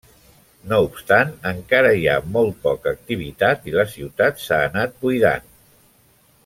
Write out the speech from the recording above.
No obstant encara hi ha molt poca activitat i la ciutat s'ha anat buidant.